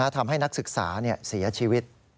ทำให้นักศึกษาเสียชีวิต